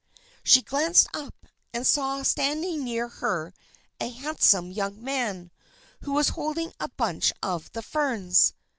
She glanced up, and saw standing near her a handsome young man, who was holding a bunch of the ferns.